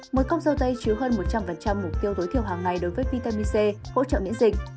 mỗi cốc dâu tây chứa hơn một trăm linh mục tiêu tối thiểu hàng ngày đối với vitamin c hỗ trợ miễn dịch